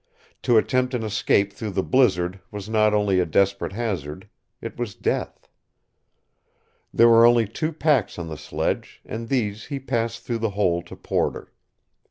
To attempt an escape through the blizzard was not only a desperate hazard. It was death. There were only two packs on the sledge, and these he passed through the hole to Porter.